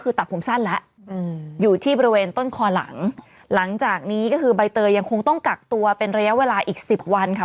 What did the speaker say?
คือตัดผมสั้นแล้วอยู่ที่บริเวณต้นคอหลังหลังจากนี้ก็คือใบเตยยังคงต้องกักตัวเป็นระยะเวลาอีกสิบวันค่ะ